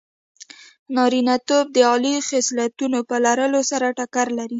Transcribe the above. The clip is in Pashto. نارینتوب د عالي خصلتونو په لرلو سره ټکر لري.